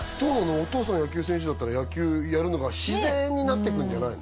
お父さん野球選手だったら野球やるのが自然になってくんじゃないの？